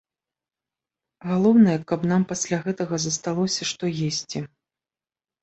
Галоўнае, каб нам пасля гэтага засталося, што есці.